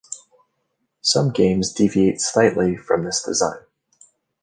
Some games deviate slightly from this design.